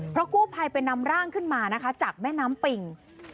เพราะกู้ภัยไปนำร่างขึ้นมานะคะจากแม่น้ำปิ่ง